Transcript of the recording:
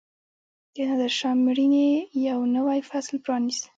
د نادرشاه مړینې یو نوی فصل پرانیست.